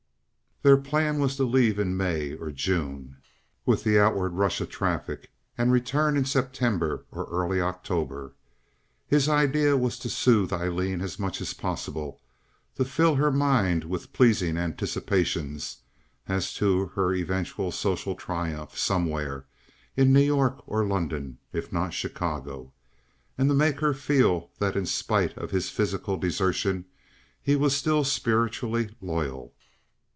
Their plan was to leave in May or June with the outward rush of traffic, and return in September or early October. His idea was to soothe Aileen as much as possible, to fill her mind with pleasing anticipations as to her eventual social triumph somewhere—in New York or London, if not Chicago—to make her feel that in spite of his physical desertion he was still spiritually loyal.